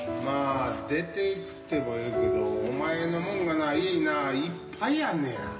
まあ出ていってもええけどお前のもんがな家にないっぱいあんねや。